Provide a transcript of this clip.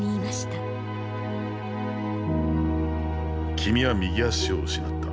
君は右足を失った。